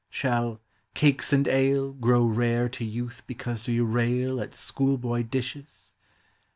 Shall " cakes and ale " Grow rare to youth because we rail At school boy dishes